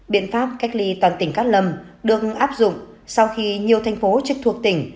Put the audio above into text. biện pháp cách ly toàn tỉnh cát lâm được áp dụng sau khi nhiều thành phố trực thuộc tỉnh